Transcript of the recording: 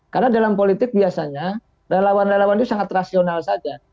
karena dalam politik biasanya relawan relawan itu sangat rasional saja